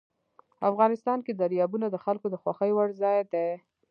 افغانستان کې دریابونه د خلکو د خوښې وړ ځای دی.